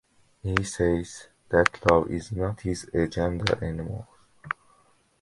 He says that love is not his agenda anymore.